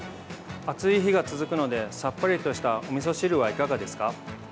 暑い日が続くのでさっぱりとしたおみそ汁はいかがですか？